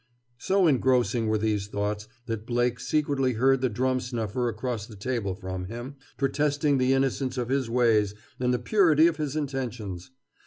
So engrossing were these thoughts that Blake scarcely heard the drum snuffer across the table from him, protesting the innocence of his ways and the purity of his intentions.